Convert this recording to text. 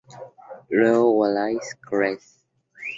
Luego, Wallace crece.